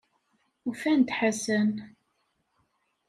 Ufan-d Ḥasan.